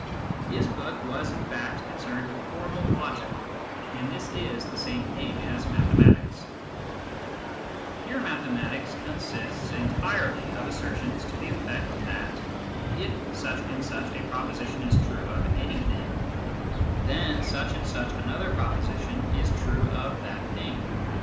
His book was in fact concerned with formal logic, and this IB the same thing as mathematics 74 MATHEMATICS AND METAPHYSICIANS 75 Pure mathematics consists entirely of assertions to the effect that, if such and such a proposition is true of any thing, then such and such another proposition is true of that thing.